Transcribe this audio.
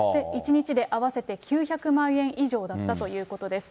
１日で合わせて９００万円以上だったということです。